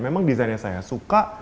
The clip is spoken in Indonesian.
memang desainnya saya suka